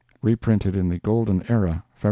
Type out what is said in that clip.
[reprinted in the Golden Era, FEB.